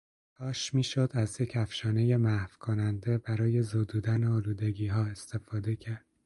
کاش میشد از یک افشانهٔ محوکننده برای زدودن آلودگیها استفاده کرد